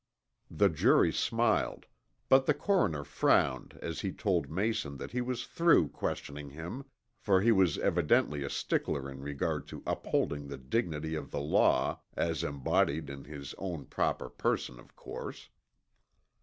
The jury smiled, but the coroner frowned as he told Mason that he was through questioning him, for he was evidently a stickler in regard to upholding the dignity of the law as embodied in his own proper person, of course.